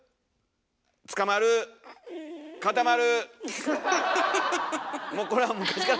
つかまる固まる